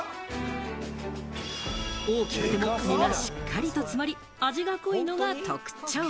大きくても実はしっかりと詰まり、味が濃いのが特徴。